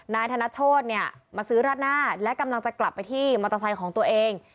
ณธนชดมาซื้อราดหน้าและกำลังจะกลับไปที่รถเตอร์ไซต์ของตัวเอง